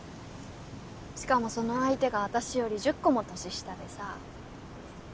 しかもその相手が私より１０個も年下でさ。